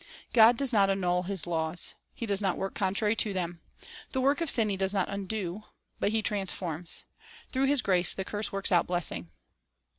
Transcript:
God docs not annul His laws. He docs not work contrary to them. The work of sin He does not undo. But He transforms. Through His grace the curse works out blessing.